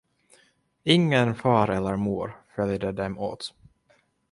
Ingen far eller mor följde dem åt.